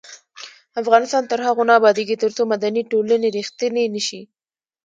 افغانستان تر هغو نه ابادیږي، ترڅو مدني ټولنې ریښتینې نشي.